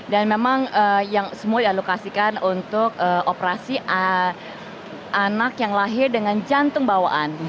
dan memang yang semua di alokasikan untuk operasi anak yang lahir dengan jantung bawaan